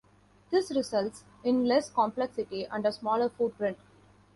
This results in less complexity and a smaller footprint.